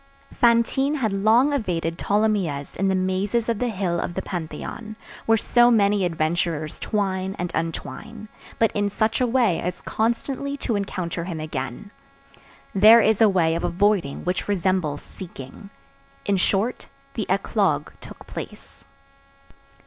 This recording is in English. Fantine had long evaded Tholomyès in the mazes of the hill of the Pantheon, where so many adventurers twine and untwine, but in such a way as constantly to encounter him again. There is a way of avoiding which resembles seeking. In short, the eclogue took place.